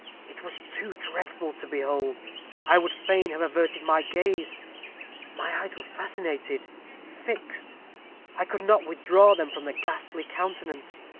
It was too dreadful to behold, I would fain have averted my gaze my eyes were fascinated fixed I could not withdraw them from the ghastly countenance.